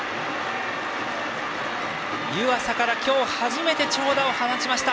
湯浅から今日初めて長打を放ちました。